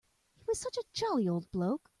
He was such a jolly old bloke.